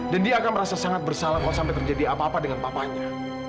dan dia akan merasa sangat bersalah kalau sampai terjadi apa apa dengan papanya